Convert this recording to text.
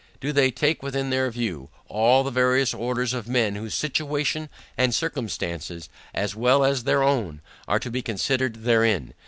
Do they take within their view, all the various orders of men whose situation and circumstances, as well as their own, are to be considered therein.